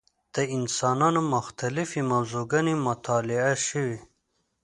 د انسانانو مختلفې موضوع ګانې مطالعه شوې.